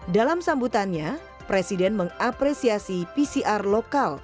dalam sambutannya presiden mengapresiasi pcr lokal